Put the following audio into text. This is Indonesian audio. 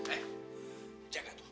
hey jaga itu